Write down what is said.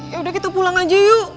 ya udah kita pulang aja yuk